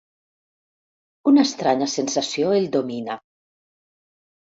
Una estranya sensació el domina.